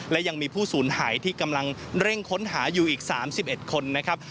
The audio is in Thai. และยังมีผู้สูญหายที่กำลังเร่งค้นหาอยู่อีก๓๑คนนะครับ